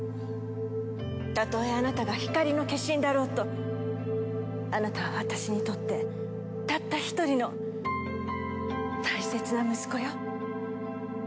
たとえあなたが光の化身だろうとあなたは私にとってたった１人の大切な息子よ。